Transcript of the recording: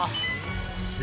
す